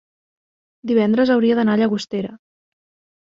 divendres hauria d'anar a Llagostera.